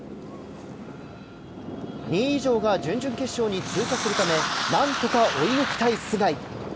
２位以上が準々決勝に通過するため何とか追い抜きたい須貝。